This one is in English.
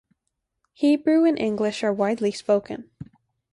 Hebrew and English are widely spoken.